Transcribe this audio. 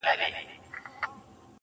او خبرو باندي سر سو~